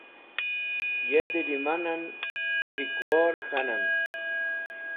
Ye dẽ lẽmanẽn Wuk̃hikwor k̃hanẽm.